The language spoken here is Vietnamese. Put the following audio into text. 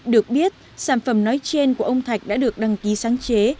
được biết sản phẩm nói trên của ông thạch đã được đăng ký sáng chế